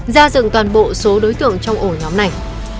ra dựng toàn bộ số đối tượng trong ổ nhóm này